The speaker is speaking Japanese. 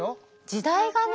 時代がね